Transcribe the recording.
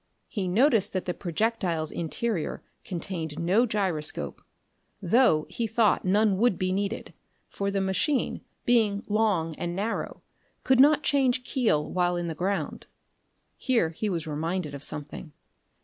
He noticed that the projectile's interior contained no gyroscope: though, he thought, none would be needed, for the machine, being long and narrow, could not change keel while in the ground. Here he was reminded of something.